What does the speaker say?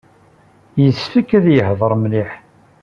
Yessefk ad iḥader mliḥ.